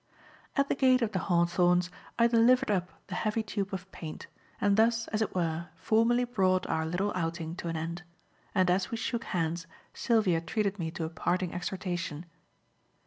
At the gate of "The Hawthorns" I delivered up the heavy tube of paint, and thus, as it were, formally brought our little outing to an end; and as we shook hands Sylvia treated me to a parting exhortation.